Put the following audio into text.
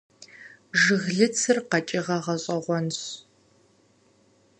Жыглыцыр къэкӀыгъэ гъэщӀэгъуэнщ.